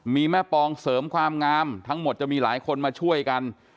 มีแม่ปองเสริมความงามทั้งหมดจะมีหลายคนมาช่วยกัน